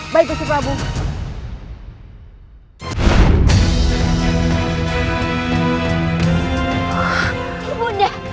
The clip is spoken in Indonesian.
baik bapak ibu